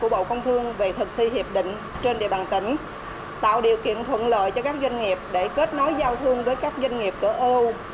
bộ công thương về thực thi hiệp định trên địa bàn tỉnh tạo điều kiện thuận lợi cho các doanh nghiệp để kết nối giao thương với các doanh nghiệp của eu